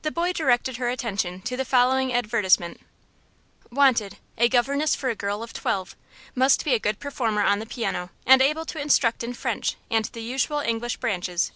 The boy directed her attention to the following advertisement: "Wanted. A governess for a girl of twelve. Must be a good performer on the piano, and able to instruct in French and the usual English branches.